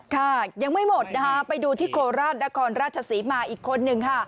ค่ะยังไม่หมดนะคะไปดูที่โคราชนครราชศรีมาอีกคนนึงค่ะ